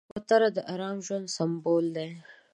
کوتره د ارام ژوند سمبول دی.